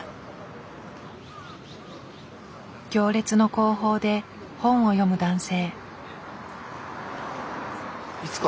行列の後方で本を読む男性。